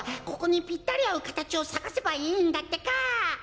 ここにぴったりあうかたちをさがせばいいんだってか。